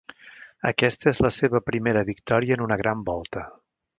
Aquesta és la seva primera victòria en una gran volta.